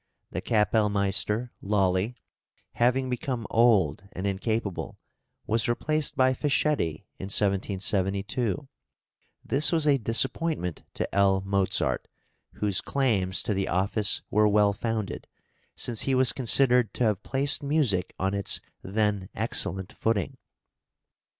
" The kapellmeister Lolli, having become old and incapable, was replaced by Fischietti in 1772; this was a disappointment to L. Mozart, whose claims to the office were well founded, since he was considered to have placed music on its then excellent footing.